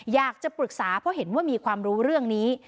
อยากจะปรึกษาเพราะเห็นว่ามีความรู้เรื่องนี้